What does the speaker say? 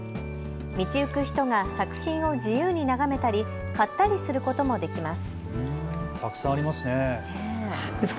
道行く人が作品を自由に眺めたり買ったりすることもできます。